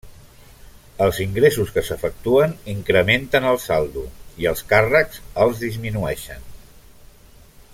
Els ingressos que s'efectuen incrementen el saldo i els càrrecs els disminueixen.